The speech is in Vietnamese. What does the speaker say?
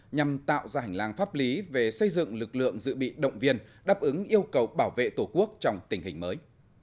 nhằm tạo ra hành lang pháp lý về xây dựng lực lượng dự bị động viên đáp ứng yêu cầu bảo vệ tổ quốc trong tình hình mới